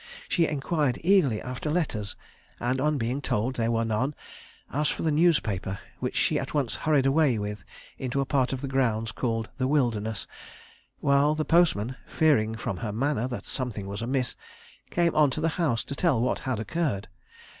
She enquired eagerly after letters, and on being told there were none, asked for the newspaper, which she at once hurried away with into a part of the grounds called the Wilderness, while the postman, fearing from her manner that something was amiss, came on to the house to tell what had occurred.